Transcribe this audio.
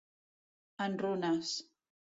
En runes.